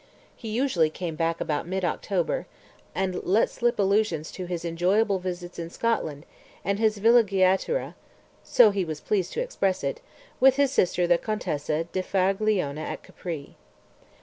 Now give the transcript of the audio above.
He usually came back about mid October, and let slip allusions to his enjoyable visits in Scotland and his villeggiatura (so he was pleased to express it) with his sister the Contessa di Faraglione at Capri.